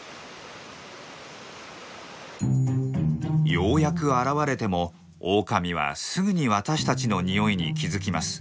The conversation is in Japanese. ようやく現れてもオオカミはすぐに私たちの匂いに気付きます。